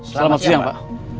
selamat siang pak